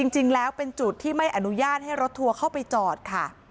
จริงแล้วเป็นจุดที่ไม่อนุญาตให้รถทัวร์เข้าไปจอดค่ะ